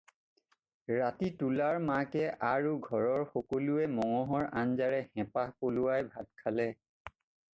ৰাতি তুলাৰ মাকে আৰু ঘৰৰ সকলোৱে মঙহৰ আঞ্জাৰে হেঁপাহ পলুৱাই ভাত খালে।